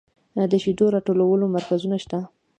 د شیدو راټولولو مرکزونه شته